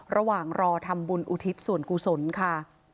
ระหว่างรอทำบุญอุทิศส่วนกุศลค่ะ